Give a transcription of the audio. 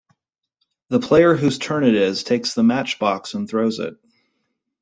The player whose turn it is takes the matchbox and throws it.